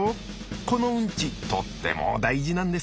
このウンチとっても大事なんです。